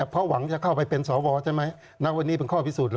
เพราะหวังจะเข้าไปเป็นสวใช่ไหมณวันนี้เป็นข้อพิสูจน